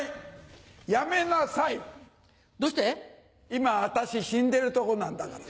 今私死んでるとこなんだから。